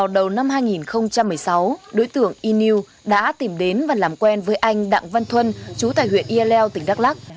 đầu năm hai nghìn một mươi sáu đối tượng inu đã tìm đến và làm quen với anh đặng văn thuân chú tài huyện yaleo tỉnh đắk lắc